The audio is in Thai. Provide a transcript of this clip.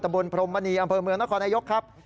ตะบลพรมณีอำเภอเมืองนครับ